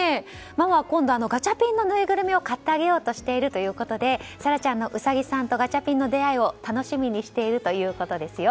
ママは今度ガチャピンのぬいぐるみを買ってあげようとしているということで、紗良ちゃんのウサギさんとガチャピンの出会いを楽しみにしているということです。